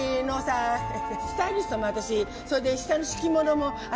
スタイリストも私下に敷く敷物も私。